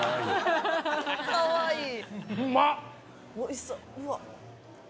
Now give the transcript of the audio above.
かわいい。